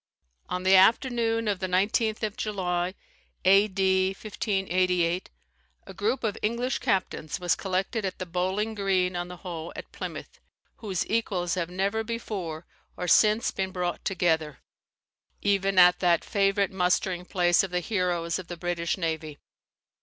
On the afternoon of the 19th of July, A.D. 1588, a group of English captains was collected at the Bowling Green on the Hoe at Plymouth, whose equals have never before or since been brought together, even at that favourite mustering place of the heroes of the British navy.